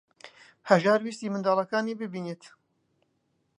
هەژار ویستی منداڵەکانی ببینێت.